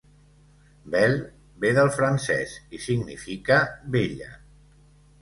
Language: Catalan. "Belle" ve del francès i significa "bella".